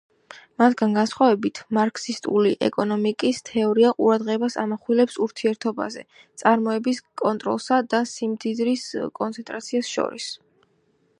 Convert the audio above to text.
მათგან განსხვავებით მარქსისტული ეკონომიკის თეორია ყურადღებას ამახვილებს ურთიერთობაზე წარმოების კონტროლსა და სიმდიდრის კონცენტრაციას შორის.